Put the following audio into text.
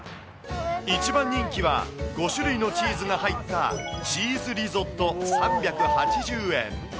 一番人気は、５種類のチーズが入ったチーズリゾット３８０円。